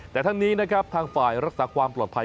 แต่ทั้งนี้นะครับทางฝ่ายรักษาความปลอดภัย